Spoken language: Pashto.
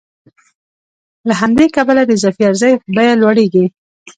له همدې کبله د اضافي ارزښت بیه لوړېږي